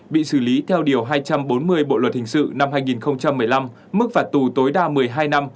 bị xử lý theo điều hai trăm bốn mươi bộ luật hình sự năm hai nghìn một mươi năm mức phạt tù tối đa một mươi hai năm